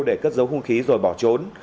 để cất dấu hung khí rồi bỏ trốn